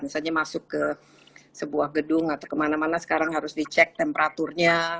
misalnya masuk ke sebuah gedung atau kemana mana sekarang harus dicek temperaturnya